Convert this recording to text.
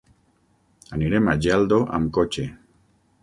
Anirem a Geldo amb cotxe.